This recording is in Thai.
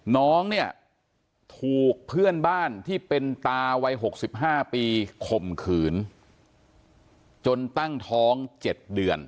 น้องเนี่ยถูกเพื่อนบ้านที่เป็นตาวัย๖๕ปีข่มขืนจนตั้งท้อง๗เดือน